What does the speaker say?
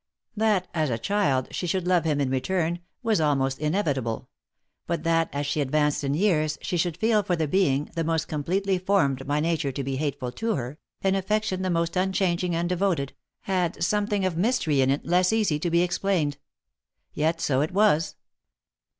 That, as a child, she should love him in return, was almost in evitable ; but that, as she advanced in years, she should feel for the being, the most completely formed by nature to be hateful to her, an affection the most unchanging and devoted, had something of mystery in it less easy to be explained. Yet, so it was.